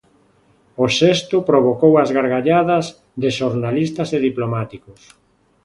O xesto provocou as gargalladas de xornalistas e diplomáticos.